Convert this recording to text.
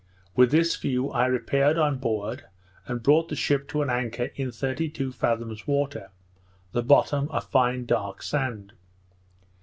With this view I repaired on board, and brought the ship to an anchor in thirty two fathoms water; the bottom a fine dark sand.